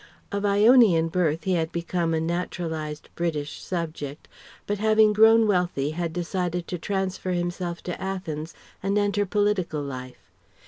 Of Ionian birth he had become a naturalized British subject, but having grown wealthy had decided to transfer himself to Athens and enter political life.